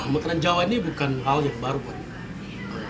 makanan jawa ini bukan hal yang baru buat kita